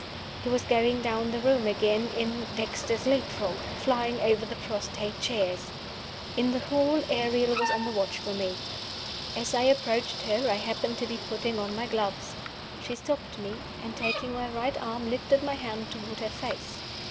He was going down the room again, in "Dexter's Leap frog," flying over the prostrate chairs. In the hall, Ariel was on the watch for me. As I approached her, I happened to be putting on my gloves. She stopped me; and, taking my right arm, lifted my hand toward her face.